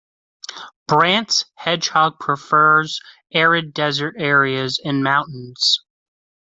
Brandt's hedgehog prefers arid desert areas and mountains.